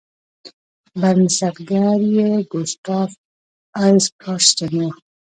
بنسټګر یې ګوسټاف ای کارستن و.